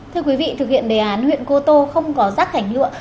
thưa quý vị thực hiện đề án huyện cô tô không có rác hành hữu